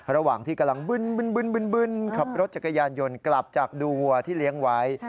ระหว่างที่กำลังบึ้นขับรถจักรยานยนต์กลับจากดูวัวที่เลี้ยงไว้